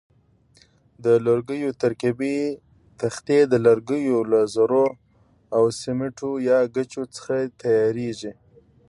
د لرګیو ترکیبي تختې د لرګیو له ذرو او سیمټو یا ګچو څخه تیاریږي.